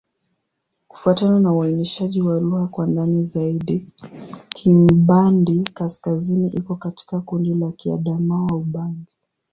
Kufuatana na uainishaji wa lugha kwa ndani zaidi, Kingbandi-Kaskazini iko katika kundi la Kiadamawa-Ubangi.